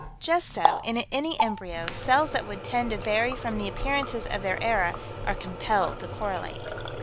Just so, in any embryo, cells that would tend to vary from the appearances of their era are compelled to correlate.